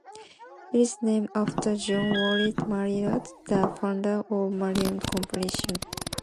It is named after John Willard Marriott, the founder of Marriott Corporation.